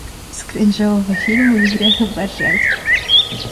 С кринжового фильма не грех и поржать.